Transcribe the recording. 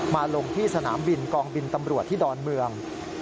ลงที่สนามบินกองบินตำรวจที่ดอนเมือง